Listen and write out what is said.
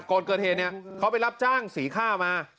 กรเกอเทเนี่ยเขาไปรับจ้างศรีข้ามา